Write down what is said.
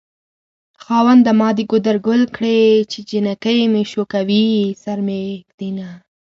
خاونده ما د ګودر ګل کړې چې جنکۍ مې شوکوي سر کې مې ږدينه